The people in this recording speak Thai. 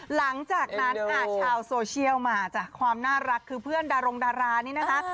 หลังจากนั้นค่ะชาวโซเชียลมาจากความน่ารักคือเพื่อนดารงดารานี่นะคะ